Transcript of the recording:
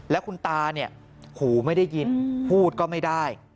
แล้วคุณตาเนี่ยหูไม่ได้ยินพูดก็ไม่ได้